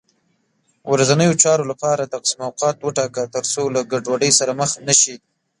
ورځنیو چارو لپاره تقسیم اوقات وټاکه، تر څو له ګډوډۍ سره مخ نه شې